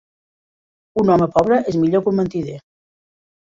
Un home pobre és millor que un mentider.